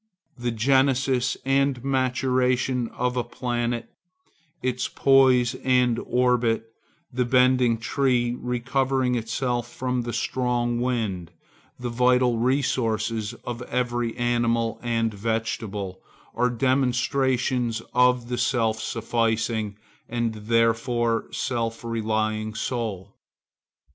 The genesis and maturation of a planet, its poise and orbit, the bended tree recovering itself from the strong wind, the vital resources of every animal and vegetable, are demonstrations of the self sufficing and therefore self relying soul.